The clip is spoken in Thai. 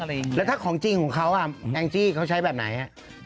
อะไรเงี้ยแล้วถ้าของจริงของเขาแอ็งจี้เขาใช้แบบไหน